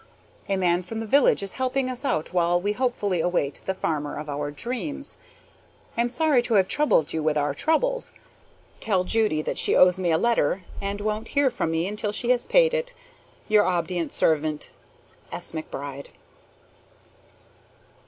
A man from the village is helping us out while we hopefully await the farmer of our dreams. I am sorry to have troubled you with our troubles. Tell Judy that she owes me a letter, and won't hear from me until she has paid it. Your ob'd't servant, S. McBRIDE.